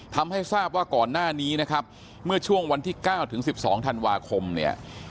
ทำให้ทราบว่าก่อนหน้านี้นะครับเมื่อช่วงวันที่๙ถึง๑๒ธันวาคมเนี่ย